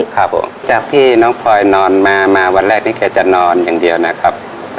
ครับผมจากที่น้องพลอยนอนมามาวันแรกนี้แกจะนอนอย่างเดียวนะครับ